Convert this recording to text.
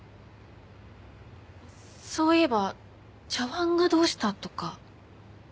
そういえば茶碗がどうしたとか。